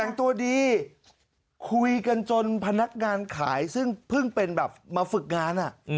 แต่งตัวดีคุยกันจนพนักงานขายซึ่งเพิ่งเป็นแบบมาฝึกงาน